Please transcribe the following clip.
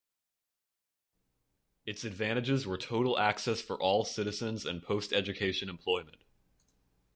Its advantages were total access for all citizens and post-education employment.